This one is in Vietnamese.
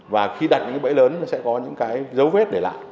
và khi đặt những bẫy lớn sẽ có những dấu vết để lại